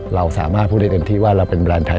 เราสามารถพูดได้เต็มที่ว่าเราเป็นแบรนด์ไทย